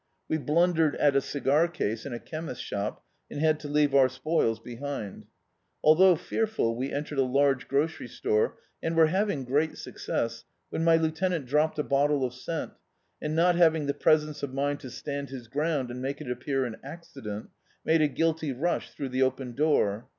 We blundered at a cigar case in a chemist shop, and had to l(!ave our spoils behind. Althou^ fearful, we entered a large gro cery store, and were having great success, when my lieutenant dropped a bottle of scent, and not hav ing the presence of mind to stand his ground and make it appear an accident, made a guilQr rush throu^ the open door.